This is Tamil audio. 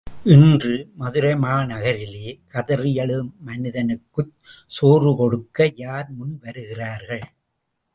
இன்று, மதுரைமா நகரிலே கதறியழும் மனிதனுக்குச் சோறு கொடுக்க யார் முன் வருகிறார்கள்?